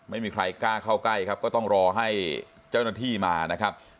ไม่มีใครกล้าเข้าใกล้ครับก็ต้องรอให้เจ้าหน้าที่มานะครับ